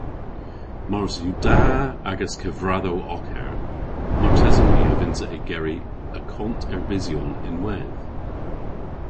"Mars yw da agas kevradhow oker, martesen my a vynnsa ygeri akont erbysyon ynwedh."